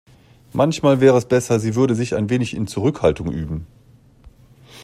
Manchmal wäre es besser, sie würde sich ein wenig in Zurückhaltung üben.